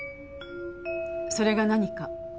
それが何か？